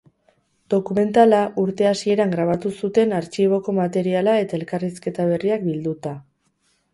Dokumentala urte hasieran grabatu zuten artxiboko materiala eta elkarrizketa berriak bilduta.